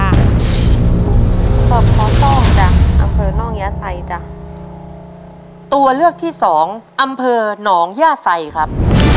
ตัวเลือกที่สองอำเภอน้องย่าใส่ตัวเลือกที่สองอำเภอน้องย่าใส่ครับ